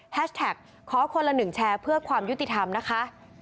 แท็กขอคนละหนึ่งแชร์เพื่อความยุติธรรมนะคะ